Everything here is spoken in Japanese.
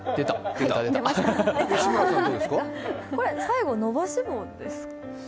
これ、最後伸ばし棒ですか？